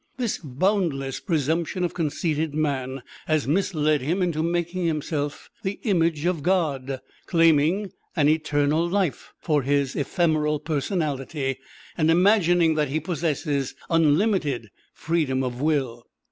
This boundless presumption of conceited man has misled him into making himself "the image of God," claiming an "eternal life" for his ephemeral personality, and imagining that he possesses unlimited "freedom of will."